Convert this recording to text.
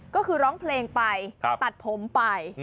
ก็คือร้องเพลงไปตัดผมไป